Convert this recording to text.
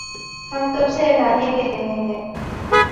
ہم کب سے اعلانیہ کہہ رہے ہیں